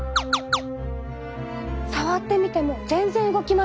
触ってみても全然動きません。